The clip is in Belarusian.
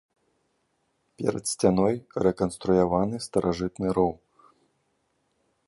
Перад сцяной рэканструяваны старажытны роў.